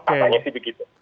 katanya sih begitu